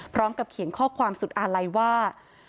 พร้อมกับเขียนข้อความสุดอาลัยว่า